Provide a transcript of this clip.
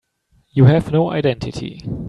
You have no identity.